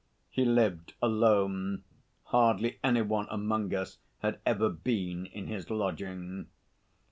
He lived alone. Hardly any one among us had ever been in his lodging.